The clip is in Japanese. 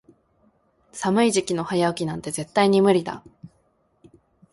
寒い時期の早起きなんて絶対に無理だ。